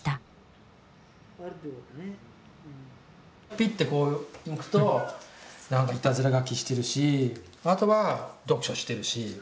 ぴってこう向くとなんかいたずら書きしてるしあとは読書してるし。